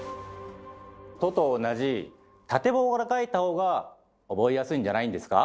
「ト」と同じ縦棒から書いた方が覚えやすいんじゃないんですか？